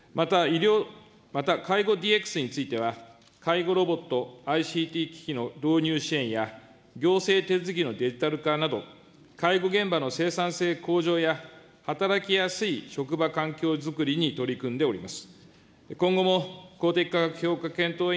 また介護ＤＸについては、介護ロボット、ＩＣＴ機器の導入支援や行政手続きのデジタル化など、介護現場の生産性向上や働きやすい職場環境づくりに取り組んでおります。